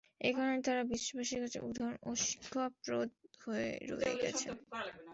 এ কারণেই তারা বিশ্ববাসীর জন্যে উদাহরণ ও শিক্ষাপ্রদ হয়ে রয়ে গিয়েছে।